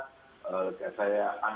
terus kemudian selanjutnya saya panas